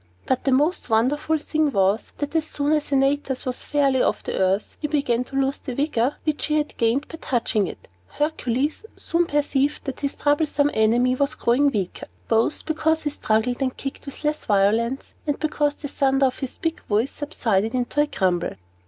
But the most wonderful thing was, that, as soon as Antaeus was fairly off the earth, he began to lose the vigor which he had gained by touching it. Hercules very soon perceived that his troublesome enemy was growing weaker, both because he struggled and kicked with less violence, and because the thunder of his big voice subsided into a grumble.